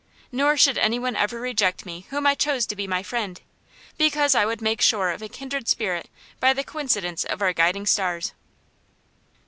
Nor should any one ever reject me whom I chose to be my friend, because I would make sure of a kindred spirit by the coincidence of our guiding stars.